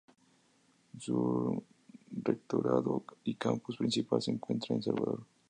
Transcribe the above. Su rectorado y campus principal se encuentra en Salvador.